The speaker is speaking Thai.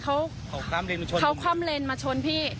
เค้าค่ำแรงมาชน